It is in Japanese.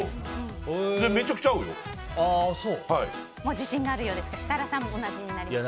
自信があるようですが設楽さんも同じですね。